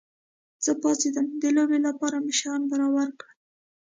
زه پاڅېدم، د لوبې لپاره مې شیان برابر کړل.